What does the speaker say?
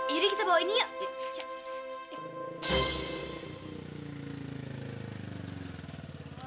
kita bawa ini yuk